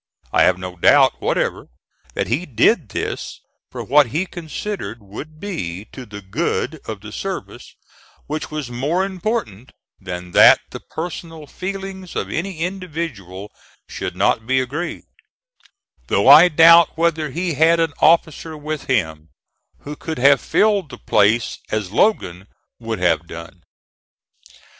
I have no doubt, whatever, that he did this for what he considered would be to the good of the service, which was more important than that the personal feelings of any individual should not be aggrieved; though I doubt whether he had an officer with him who could have filled the place as Logan would have done.